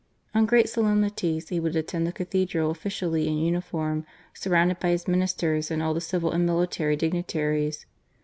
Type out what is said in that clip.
On great solemnities he would attend the Cathedral officially in uniform, surrounded by his Ministers and all the civil and military dignitaries.